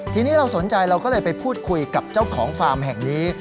ทีนี้เราสนใจเราก็เลยไปพูดคุยกับเจ้าของฟาร์มแห่งนี้